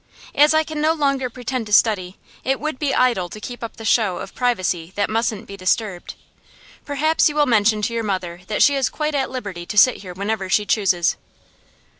As I can no longer pretend to study, it would be idle to keep up the show of privacy that mustn't be disturbed. Perhaps you will mention to your mother that she is quite at liberty to sit here whenever she chooses.